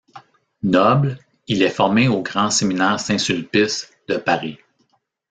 Noble, il est formé au grand séminaire Saint-Sulpice de Paris.